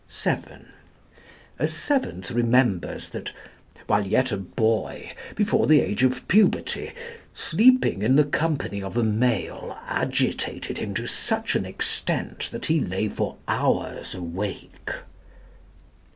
(7) A seventh remembers that "while yet a boy, before the age of puberty, sleeping in the company of a male agitated him to such an extent that he lay for hours awake."